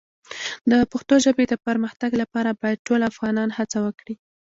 د پښتو ژبې د پرمختګ لپاره باید ټول افغانان هڅه وکړي.